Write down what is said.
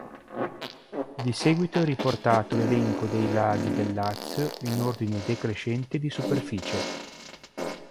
Di seguito è riportato l'elenco dei laghi del Lazio in ordine decrescente di superficie.